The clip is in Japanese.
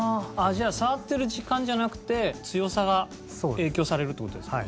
じゃあ触ってる時間じゃなくて強さが影響されるって事ですか？